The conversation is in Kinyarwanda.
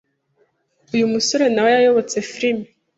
uyu musore nawe yayobotse filme